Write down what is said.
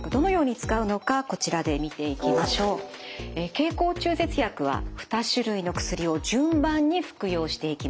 経口中絶薬は２種類の薬を順番に服用していきます。